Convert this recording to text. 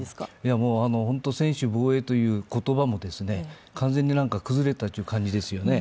もう本当、専守防衛という言葉も完全に崩れたという感じですよね。